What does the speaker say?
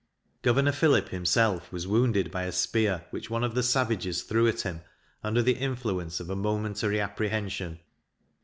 Governor Phillip, himself, was wounded by a spear which one of the savages threw at him, under the influence of a momentary apprehension.